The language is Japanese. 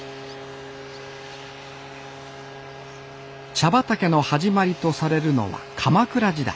茶畑の始まりとされるのは鎌倉時代。